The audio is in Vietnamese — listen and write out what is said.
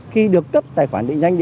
khi được cấp tài khoản định danh điện tử